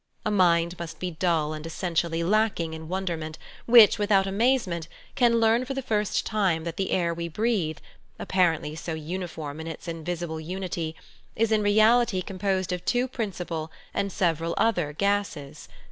A mind must be dull and essentially lacking in wonderment which, without amazement, can learn for the first time that the air we breathe, apparently so uniform in its invisible unity, is in reality composed of two principal, and several other, gases.